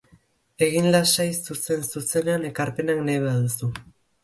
Egin lasai zuzen-zuzenean ekarpenak nahi baduzu.